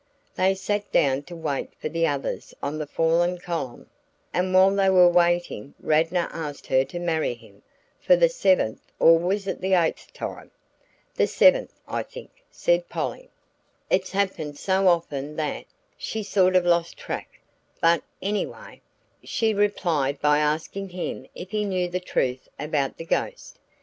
They sat down to wait for the others on the fallen column, and while they were waiting Radnor asked her to marry him, for the seventh or was it the eighth time?" "The seventh, I think," said Polly. "It's happened so often that, she's sort of lost track; but anyway, she replied by asking him if he knew the truth about the ghost.